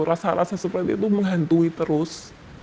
rasa rasa seperti itu menghantui terus